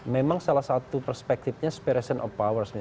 memang salah satu perspektifnya separation of powers